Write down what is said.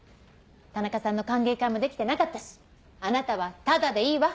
田中さんの歓迎会もできてなかったしあなたはタダでいいわ。